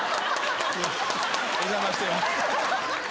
お邪魔してます。